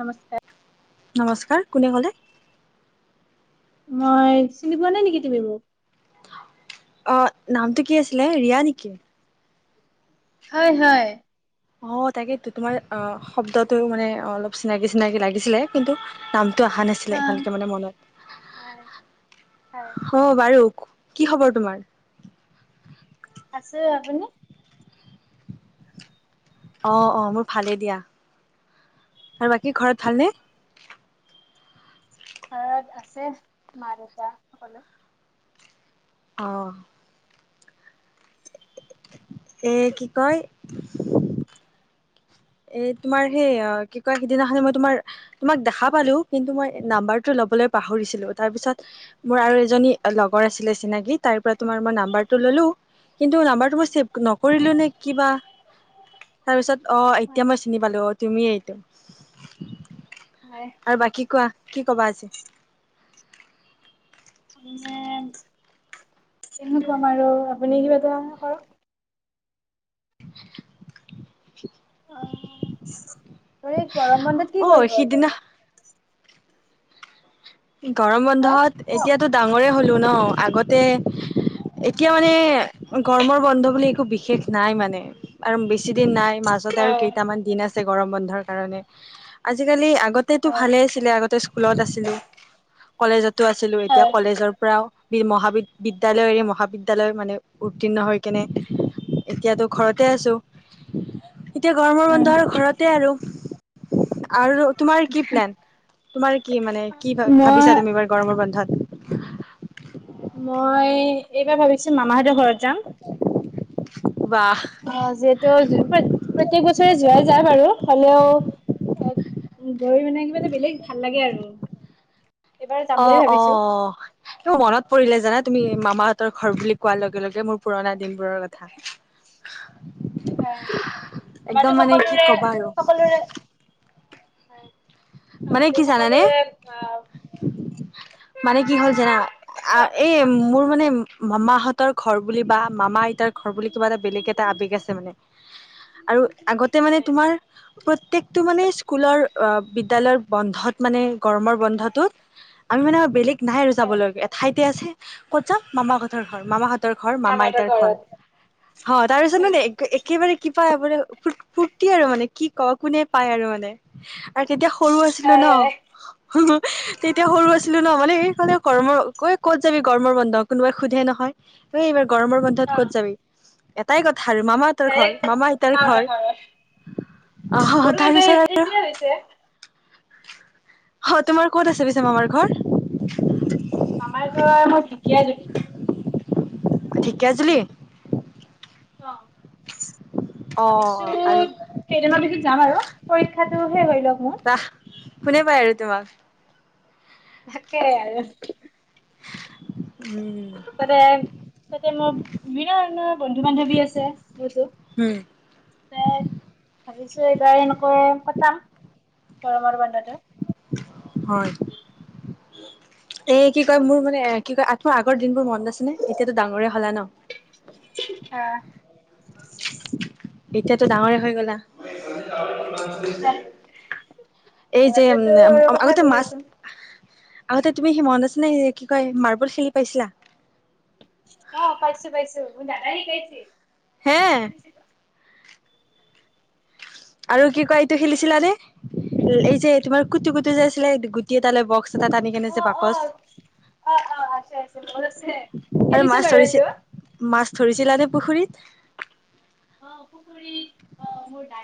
নমস্কাৰ। নমস্কাৰ। কোনে ক'লে। মই চিনি পোৱা নাই নেকি তুমি মোক অ নামটো কি আছিলে ৰিয়া নেকি হয়, হয়। অ', তাকেই তু তোমাৰ অ', শব্দটো মানে অলপ চিনাকি-চিনাকি লাগিছিলে। কিন্তু নাম ো অহা নাছিলে হা। ভালকে মানে হয় হয়, মনত অ বাৰু কি খবৰ তোমাৰ আছে আপুনি অ অ মোৰ ভালেই দিয়া আৰু বাকী ঘৰত ভালনেে ঘৰত আছে মা দেউতা সকলো অ। এ কি কয় এ তুমাৰ সেই কি কয় সিদিনাখন যে তোমাৰ-তোমাক দেখা পালু কিন্তু ম‌ই এ নাম্বাৰটো লবলে পাহৰিছিলোঁ। তাৰ পিছত এ মোৰ আৰু এজনী লগৰ আছিলে চিনাকি। তাইৰ পৰা তোমাৰ ম‌ই নাম্বাৰটো ললু, কিন্তু নাম্বাৰটো ম‌ই ছেভ নকৰিলো হয়, নে কিবা তাৰপিছত হয় অ পালো অ তুমি এইটো আৰু বাকী কোৱা কি কবা আজি মানে, কেনেকুৱা বাৰু আপুনি কিবা এটা কৰক। [inaudible] অ এই গৰম বন্ধত কি অ কৰিবা সিদিনা এইবাৰ গৰম হা? বন্ধত হয় এতিয়াতো ডাঙৰে হয় [unintelligible] ছিলু ন' আগতে, এতিয়া মানে গৰমৰ বন্ধ বুলি একো বিশেষ নাই মানে আৰু বেছ কিছিদিন নাই মাজত আৰু কেইটামান দিন আছে ছিল গৰম বন্ধৰ কাৰণে। আজিকালি আগতেতো হয় ভালে আছিলে, আগতে স্কুলত আছিলো। কলেজতো আছিলো, এতিয়া হয়, কলেজৰ পৰাও মহিদ মহাবিদ্যালয়ৰে মহাবিদ্যালয় মানে উত্তীৰ্ণ হৈ কেনে এতিয়াতো ঘৰতে আছো। এতিয়া গৰমৰ বন্ধ আৰু ঘৰতে আৰু। আৰু তোমাৰ কি প্লেন? তোমাৰ কি মানে মই ভাব-ভাবিছা তুমি এইবাৰ গৰমৰ বন্ধত [inaudible] মই, এইবাৰ ভাবিছোঁ মামাহঁতৰ ঘৰত যাম। বা অ যিহেতু প্ৰত্যেক বছৰে যোৱা যায় বাৰু হলেও গৈ মানে কিবা এটা বেলেগ ভাল লাগে আৰু। এইবাৰ যাম অ, বুলি অ, অ। ভাবিছো এইটো মনত পৰিলে জানা তুমি মামাত ৰ ঘৰ বুলি কোৱাৰ লগে লগে মোৰ পুৰণা দিনবোৰৰ কথা। হয়। একদম আমাৰো মানে কি ক'বা আৰু সকলোৰে-সকলোৰে। হয়। মানে তাপা কি দেউ জানানে সকলোৰে, আ মানে কি হ'ল জানা? এই মোৰ মানে উম, মামাহতৰ ঘৰ বা মামা-আইতাৰ ঘৰ বুলি কিবা এটা বেলেগ এটা আৱেগ আছে মানে। আৰু আগতে মানে তোমাৰ প্ৰত্যেকটো মানে স্কুলৰ অ বিদ তেলৰ বন্ধত মানে, গৰমৰ বন্ধটোত আমি মানে বেলেগ নাই আৰু যাবলৈ, এঠাইত এয়া আছ।, ক'ত যাম? মামাহঁতৰ ঘৰ। মামাহঁত ঘৰ, মামাহঁতৰ মামা-আইতাৰ ঘৰ। ঘৰত অ, তাৰ পিছত হয় মানে একেবাৰে কি পাই বোলে, ফু-ফূুৰ্তি আৰু মানে কি ক কোনে পায় আৰু মানে। তেতিয়া সৰু আছিলো ন। হয় হু, হু তেতিয়া সৰু আছিলো ন। মানে এই ফালে গৰমৰ কৈ ক'ত যাবি, গৰমৰ বন্ধ কোনোবাই সোধে নহয়, ত এইবাৰ গৰমৰ অ বন্ধত ক'ত যাবি? এটাই কত আৰু মামতৰ ঘৰ, ডাইৰেক্ট মামা আইতাৰ মামাহঁতৰ ঘৰ। ঘৰত অহ, অহ মোৰো তাৰ এইবাৰ পিছত আৰু এতিয়া হৈছে অ, তোমাৰ ক'ত আছে পিছে মামাৰ ঘৰ? ঢেকিয়াজুলিত। ঢেকিয়াজুলি অ', অ', ভাবিছো, আৰু কেইদিমান পিছত যাম আৰু পৰীক্ষাটো হে হৈ লওক মোৰ। কোনে পাই আৰু তোমাক। তাকেই, আৰু উম, তাতে, তাতে মোৰ বিভিন্ন ধৰণৰ বন্ধু-বান্ধৱী আছে বহুত। হুম, মানে ভাবিছো এইবাৰ এনেকৈ কটাম। গৰমৰ বন্ধটো। হয়। এ কি কয়, মোৰ মানে এ কি কয়, আকৌ আগৰ দিনবোৰ মনত আছে নে? এতিয়াতো ডাঙৰে হলা ন? আহ এতিয়াতো ডাঙৰে হৈ গলা। হে [unintelligible] এই যে, আগতেতো উম, উম কথাই আগতে কৈ মাছ থাকচোন আগতে তুমি সি মনত আছে নে কি কয় মাৰ্বল খেলি পাইছিলা? অ', পাইছো পাইছো মো দাদাই কৈছিল। হে আৰু কি কয়, এইটো খেলিছিলাানে? এই যে তোমাৰ কুটু- কুটু যে আছিলে, গুটি এটা লৈ বক্স [unintelligible] বাকচ অ অ অ অ আছে আছে মনত আছে আৰু খেলিছো মাছ বাৰু এইটো ধৰিছেনে মাছ ধৰিছিলা নে পুখুৰীত?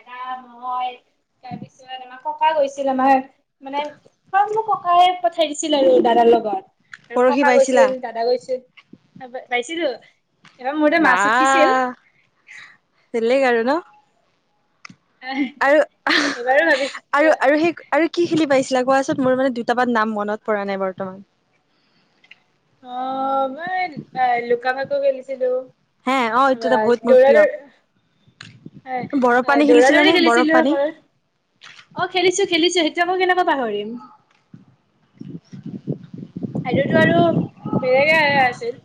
দা, মই তাৰপিছত আমাৰ ককা গৈছিল। আমাক মানে মোক ককাই পঠাই দিছিল আৰু দাদাৰ লগত। আৰু পৰহি ককা পাইছিলা গৈছিল, দাদা গৈছিল। যাইছিলো। এবাৰ মোৰতে বা মাছ উঠিছিল বেলেগ আৰু ন আৰু এইবাৰো ভাবিছো আৰু আৰু সেই আৰু কি খেলি পাইছে [unintelligible] কোৱাচোন, মোৰ মানে দুটামান নাম মনত পৰা নাই বৰ্তমান। অ মই লুকা ভাকু খেলিছিলো হে অ এইটো এটা বহুত মোৰ দৌৰা প্ৰিয় দৌৰি বৰফ পানী দৌৰা খেলিছিলা নে দৌৰি বৰফ খেলিছিলো পানী অকল অ খেলিছো খেলিছো সেইটোয়া মই কেনেকুৱা কিয় পাহৰিম [inaudible] সেইটোতো আৰু বেলেগে আছিল।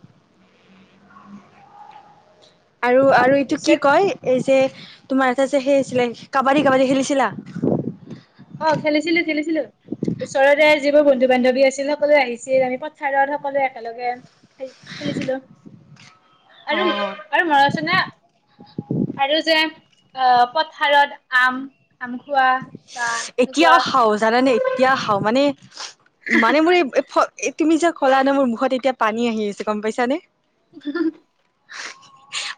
[inaudible] আৰু, অ আৰু এইটো কি পিছত কয়, এই যে তোমাৰ এটা যে সেই আছিলে, কাবাডী কাবাডী খেলিছিলা। অ খেলিছিলো খেলিছিলো ওচৰৰে যিবোৰ বন্ধু- বান্ধৱী আছিল সকলোৱে আহিছিল, আমি পথাৰত সকলোৱে একেলগে খেল খেলিছিলো। আৰু অ আৰু মৰাচনে আৰু যে অ পথাৰত আম আম খোৱা বা এনেকুৱা এতিয়াও খাওঁ জানোনে, এতিয়া খাওঁ মানেই মানে মোৰ এই তুমি যে কলা নে মোৰ মুখত এতিয়া পানী আহি আছে গম পাইছা নে [inaudible]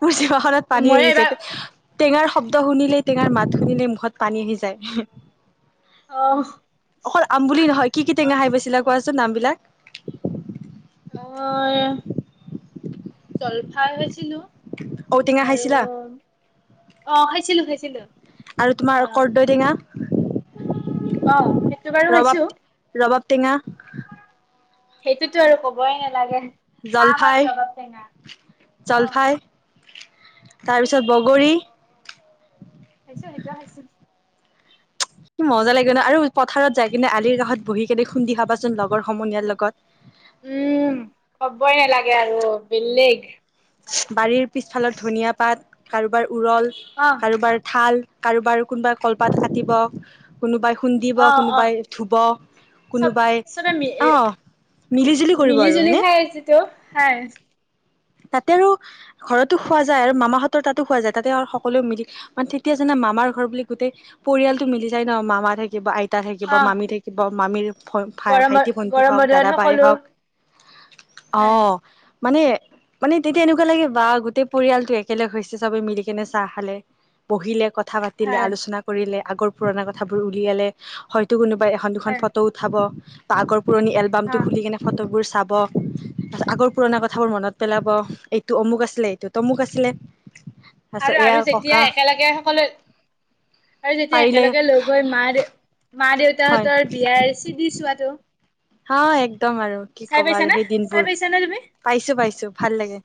মোৰ জিভাখনত পানী মই আহিছে এইবাৰ এতিয়া টেঙাৰ শব্দ শুনিলে, টেঙাৰ মাত শুনিলে মুখত পানী আহি যায়। উ আহ অকল আম বুলি নহয়, কি কি টেঙা খাই পাইছিলা কোৱাচোন নাম বিলাক? অ', জলফাই হৈছিলো। ঔটেঙা আৰু খাইছিলা অ খাইছিলো খাইছিলো [unintelligible] আৰু অ তোমাৰ কৰ্দৈটেঙা অ' সেইটো বাৰু খাইছো ৰবাব ৰবাব টেঙা সেইটোতো আৰু কবই নালাগে আম আৰু জলফাই ৰবাব টেঙা অ জলফাই তাৰপিছত খাইছো বগৰী খাইছো খাইছো সেইটোও খাইছো কি মজা লাগে ন আৰু পথাৰত যাই কিনে আলিৰ কাষত বহি কিনে খুন্দি খাবাচোন লগৰ সমনীয়াৰ লগত উম কবই নালাগে আৰু বেলেগ বাৰীৰ পিছফালৰ ধনিয়া পাত কাৰোবাৰ উৰল অহ। কাৰোবাৰ থাল কাৰোবাৰ কোনোবাই কলপাত কাটিব কোনোবাই খুন্দিব অ', অ', কোনোবাই ধুব চব কোনোবাই চবে মি অ মিলি জুলি কৰিব মিলি আৰু জুলি হয়নে খাই আছেতো। হয়। তাতে আৰু ঘৰতো খোৱা যায় আৰু মামাহতৰ তাতো খোৱা যায় তাতে আৰু সকলোৱ মিলি মানে তেতিয়া জানা মামাৰ ঘৰ বুলি গোটেই পৰিয়ালতটো মিলি যায় ন মামা থাকিব আইত তা থাকিব অ'। মামী থাকিব মামীৰ ভাই গৰমৰ ভাইটি ভন্টি গৰম হওক বতৰত দাদা বাইে সকলো হওক হয়। আহ মানে মানে তেতিয়া এনেকুৱা লাগে বা গোটেই পৰিয়ালটো একেলগ হৈছে চবে মিলি কেনে চাহ খালে বহিলে কত কথা পাতিলে হয়, আলোচনা কৰিলে আগৰ পুৰণা কথাবোৰ উলিয়ালে হয়তো কোনো বা এখন দুখন হয়, ফটো উঠাব পাৰ্কৰ পুৰণি এলবাম তো অ', খুলি কেনে চাবত আগৰ পুৰণা কথাবোৰ মনত পেলাব এইটো অমুক আছিলে এইটোত অমুক আছিলে তাৰপিছত আৰু এয়া আৰু যেতিয়া ককা একেলগে সকলো আৰু যেতিয়া পাৰিলে একেলগে লগ হৈ মাৰ মাঁ হয় দেউতাহঁতৰ বিয়াৰ চিধি চোৱাাতটো হয় একদম আৰু কি কবা আৰু সেই চাই দিনবোৰ পাইছানে তুমি? পাইছো পাইছো ভাল লাগে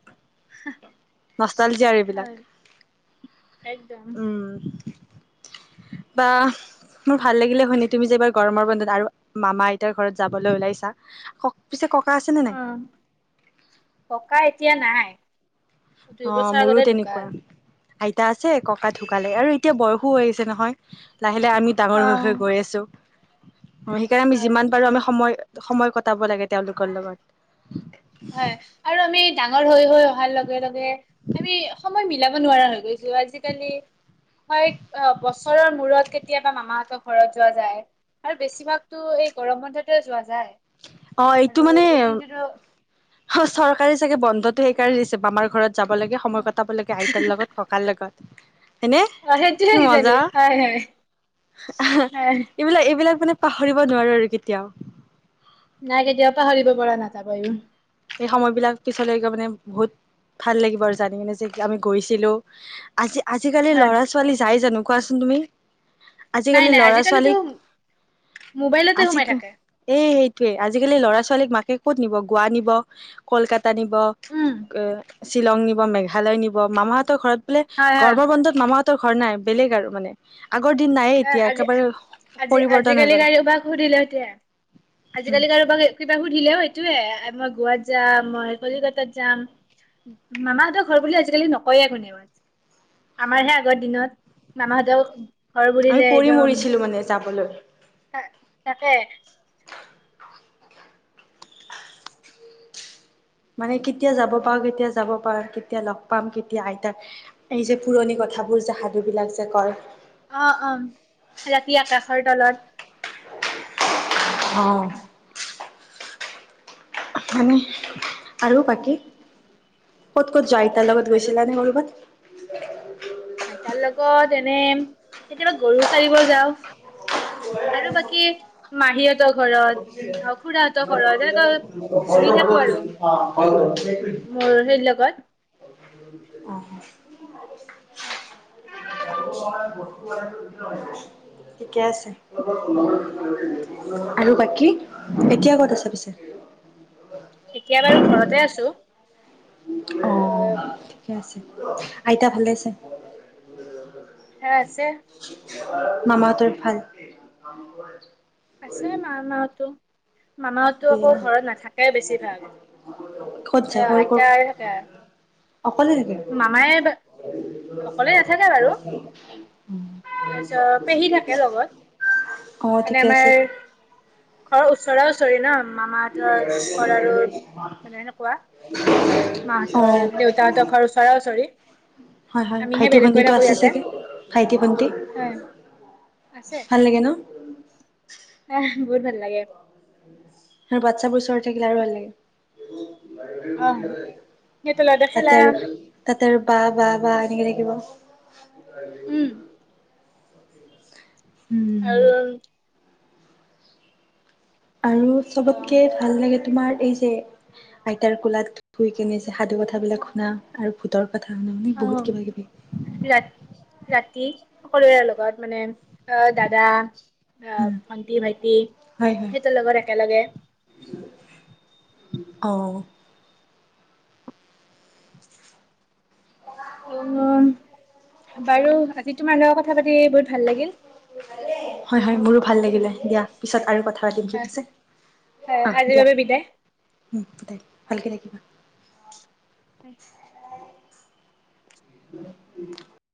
নষ্টালজীয় আৰু এইবিলাক হয়। একদম, উম বাহ্, মোৰ ভাল লাগিলে শুনি। তুমি যে এইবাৰ গৰমৰ বন্ধত আৰু মামা আইতাৰ ঘৰত যাবলৈ ওলাইছা ক পিছে কওঁ অঃ ককা এতিয়া নাই দুই অঁ বছৰ মোৰো আগতে তেনেকুৱা ঢুকাল। আইতা আছে ককা ঢুকালে আৰু এতিয়া বয়স আহিছে নহয় লাহিলে আমি ডাঙৰ হৈ অ'। হৈ গৈ আছোঁ সেইকাৰণে আমি হয় যিমান পাৰো আমি সময় সময় কটাব লাগে তেওঁলোকৰ লগত হয় আৰু আমি ডাঙৰ হৈ লৈ অহাৰ লগে লগে আমি সময় মিলাব নোৱাৰা হৈ গৈছে আজিকালি হয় বছৰৰ মূৰত কেতিয়াবা মামাহঁতৰ ঘৰত যোৱা যায় আৰু বেছিভাগতো এই গৰম বন্ধতেে যোৱা যায় অঁ আৰু এইটো মানে এই দিনটোতো অঁ চৰকাৰী চাগে বন্ধতটো সেইকাৰে ছাগে আমাৰ ঘৰত যাব লাগে সময় কটাব লাগে আইতাৰ লগত ককাৰ লগত হয়নে অ কি সেইটোয়ে কিজানি মজা হয় হয় হয় এইবিলাক এইবিলাক মানে পাহৰিব নোৱাৰো আৰু কেতিয়াও নাই কেতিয়াও পাহৰিব পৰা নাযাব ই সেই সময় বিলাক পিছলৈকে মানে বহুত ভাল লাগিব আৰু জানি কিনে যে আমি গৈছিলো আজি আজিকালি হয় ল'ৰা ছোৱালী যাই জানো কোৱাচোন তুমি। নাই আজিকালি নাই ল'ৰা আজিকালিতো ছোৱালীক, মোবাইলতে আজি সোমাই থাকে এই তোৱে আজিকালি ল'ৰা ছোৱালীক মাকে ক'ত নিব, গোৱা নিব কলকাতা টানিব, উম এ শ্বিলং নিব, মেঘালয় নিব, মামাহঁতৰ ঘৰত হয় হয় গৰমৰ বন্ধত মামা তোৰ ঘৰ নাই, বেলেগ আৰু মানে। আগৰ দিন নাইয়ে হয়, এতিয়া আজি- একেবাৰে আজি পৰিৱৰ্তন হৈ আজিকালি গ'ল কাৰবাক সুধিলে এতিয়া, আজিকালি কাৰোবাক কিবা সুধিলেও সেইটোয়ে, মই গোৱাত যাম মই কলিকতাত যাম, মামাহতৰ ঘৰ বুলি আজিকালি নকয়ে কোনেও, আমাৰহে আগৰ দিনত মামাহতও আমি পৰি মৰিছিলো মানে যাবলৈ। [inaudible] টা তাকে। মানে কেতিয়া যাব পাওঁ, কেতিয়া যাব পাওঁ, কেতিয়া লগ পাম, কেতিয়া আইতাক এই যে পুৰণি কথাবোৰ যে সাধু বিলাক যে কয়। অ', অ', ৰাতি আকাশৰ তলত। অঁ মানে আৰু বাকী ক'ত ক'ত যাই তাৰ লগত আৰু গৈছিলা নে কৰবাত। [inaudible] আইতাৰ লগত এনে কেতিয়াবা গৰু চাৰিব যাওঁ আৰু বাকী মাহীঁতৰ ঘৰত খুৰাহঁতৰ ঘৰত এনেকৈ ঘূৰি থাকো আৰু মোৰ সেই লগত [unintelligible] অঁ, ঠিকে আছে আৰু বাকী এতিয়া ক'ত আছা পিছে। এতিয়া বাৰু ঘৰতে আছো। অ অঁ ঠিকে আছে, আইতা ভালে আছে। সেয়া আছে মামাহতৰ ভাল। [unintelligible] আছে, মামা হতো। দে, বেছিভাগ ক'ত এ যায়, আইতাই থাকে অকলে থাকে। মামাই আচ্ছা পেহী থাকে লগত। অ মানে ঠিকে আছে আমাৰ ঘৰৰ ওচৰত [unintelligible] মামাহতৰ ঘৰ আৰু মানে এনেকুৱা, মাহতৰ অ', দেউতাহতৰ ঘৰ ওচৰা ওচৰি। হয় হয়, আমিহে ভাইটি বেলেগকৈ ভণ্টিটো থাকো আছে ইয়াতে চাগে, ভাইটি ভণ্টি। হয় আছে ভাল লাগে ন। আহ বহুত ভাল লাগে আৰু বাচ্ছাবোৰ ওচৰত থাকিলে আৰু ভাল লাগে আহ [unintelligible] দেখেলা তাৰ বা বা বা এনেকে থাকিব [inaudible] উম উম, আৰু আৰু অ চবতকে ভাল লাগে তোমাৰ এই যে আইতাৰ কোলাত শুই কেনে যে সাধু কথাবিলাক শুনা আৰু ভূতৰ কথা শুনা মানে অ বহুত কিবা কিবি। ৰা ৰাতি সকলোৰে লগত মানে আহ দাদা আহ উম, ভন্টি ভাইটি হয়, হয়, সেইটোৰ লগত একেলগে অ উ বাৰু আজি তোমাৰ লগত কথা পাতি বহুত ভাল লাগিল [unintelligible] হয় হয় মোৰো ভাল লাগিলে দিয়া পিছত আৰু কথা পাতিম ঠিক আছে অঁ আজিৰ দিয়া বাবে বিদায় উম দেই ভালকে থাকিবা [inaudible] [inaudible]